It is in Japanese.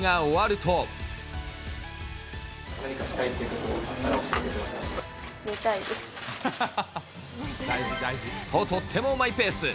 と、とってもマイペース。